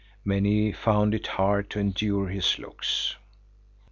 Many found it hard to endure his looks.